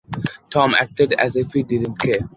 Tom acted as if he didn't care.